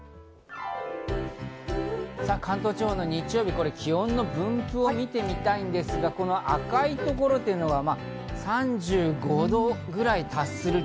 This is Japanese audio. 関東地方の日曜日、気温の分布を見てみたいんですが、この赤い所というのが３５度ぐらいに達する。